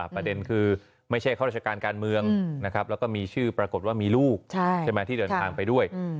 ประเด็นคือไม่ใช่ข้าราชการการเมืองนะครับแล้วก็มีชื่อปรากฏว่ามีลูกใช่ไหมที่เดินทางไปด้วย